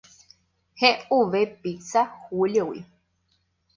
He'uve pizza Júliogui.